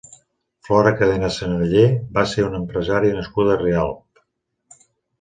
Flora Cadena Senallé va ser una empresària nascuda a Rialb.